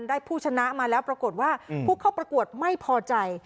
ผู้ชนะมาแล้วปรากฏว่าผู้เข้าประกวดไม่พอใจ